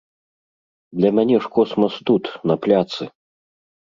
Для мяне ж космас тут, на пляцы.